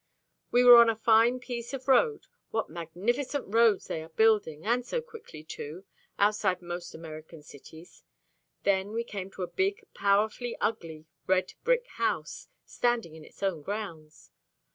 We were on a fine piece of road what magnificent roads they are building, and so quickly too, outside most American cities when we came to a big, powerfully ugly, red brick house, standing in its own grounds.